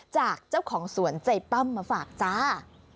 จากเจ้าของสวนใจปั้มมาฝากจ้า